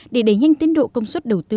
để đẩy nhanh tiến độ công suất đầu tư